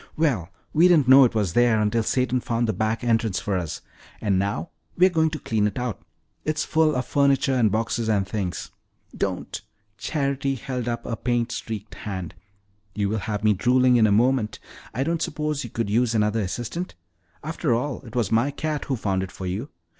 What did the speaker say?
"Well, we didn't know it was there until Satan found the back entrance for us. And now we're going to clean it out. It's full of furniture and boxes and things." "Don't!" Charity held up a paint streaked hand. "You will have me drooling in a moment. I don't suppose you could use another assistant? After all, it was my cat who found it for you.